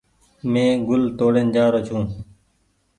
مين گل توڙين جآ رو ڇي۔